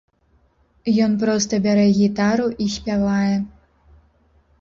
Ён проста бярэ гітару і спявае.